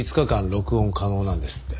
録音可能なんですって。